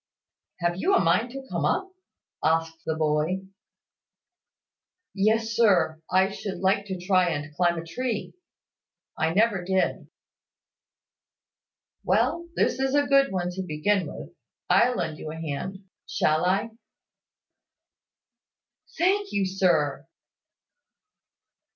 "Have you a mind to come up?" asked the boy. "Yes, sir, I should like to try and climb a tree. I never did." "Well, this is a good one to begin with. I'll lend you a hand; shall I?" "Thank you, sir."